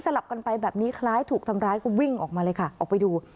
ลับกันไปแบบนี้คล้ายถูกทำร้ายก็วิ่งออกมาเลยค่ะออกไปดู